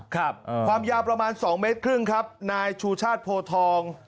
ครับความยาวประมาณ๒เมตรครึ่งครับนายชูชาติโพทอง